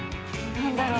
何だろう？